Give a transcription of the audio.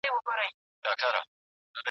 د فولجر کتابتون ته یو پخوانی کتاب راوړل سو.